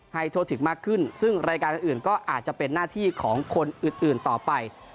ทั่วถึงมากขึ้นซึ่งรายการอื่นก็อาจจะเป็นหน้าที่ของคนอื่นต่อไป